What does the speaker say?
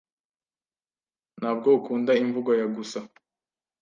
Ntabwo ukunda imvugo ya gusa?